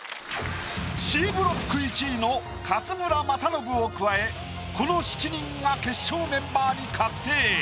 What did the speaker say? Ｃブロック１位の勝村政信を加えこの７人が決勝メンバーに確定。